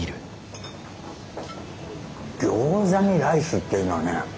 餃子にライスっていうのはね